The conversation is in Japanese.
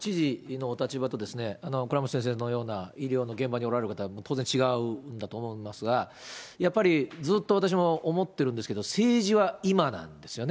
だからもちろん、知事のお立場と倉持先生のような医療の現場におられる方、当然違うんだと思いますが、やっぱりずっと私も思ってるんですけど、政治は今なんですよね。